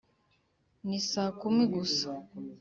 ni saa kumi gusa.